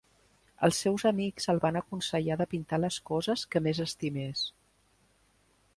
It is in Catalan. Els seus amics el van aconsellar de pintar les coses que més estimés.